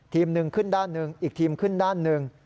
หนึ่งขึ้นด้านหนึ่งอีกทีมขึ้นด้านหนึ่ง